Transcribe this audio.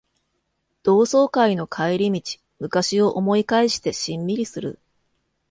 同窓会の帰り道、昔を思い返してしんみりする